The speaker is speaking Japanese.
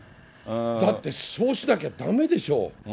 だってそうしなきゃだめでしょう。